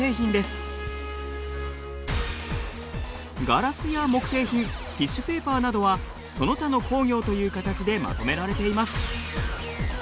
ガラスや木製品ティッシュペーパーなどはその他の工業という形でまとめられています。